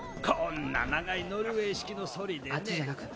こんな長いノルウェー式のソリでね